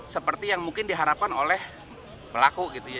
seperti yang mungkin diharapkan oleh pelaku gitu ya